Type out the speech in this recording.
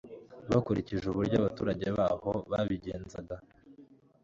bakurikije uburyo abaturage baho babigenzaga